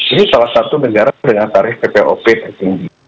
ini salah satu negara dengan tarif ppop tertinggi